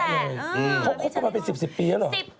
เขาคบกันมาเป็น๑๐ปีแล้วเหรอ